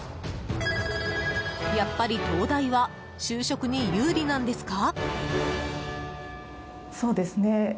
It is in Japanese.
やっぱり東大は就職に有利なんですか？